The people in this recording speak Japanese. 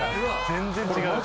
全然違う。